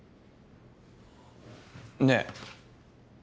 ねえ。